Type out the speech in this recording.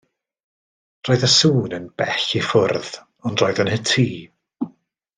Roedd y sŵn yn bell i ffwrdd, ond roedd yn y tŷ.